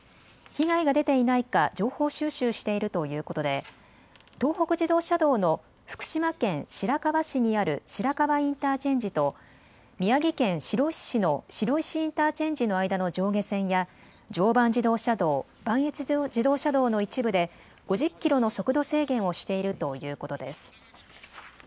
被害が出ていないか情報収集しているということで東北自動車道の福島県白河市にある白河インターチェンジと宮城県白石市の白石インターチェンジの間の上下線や常磐自動車道、磐越自動車道の一部で５０キロの速度制限をしているということです。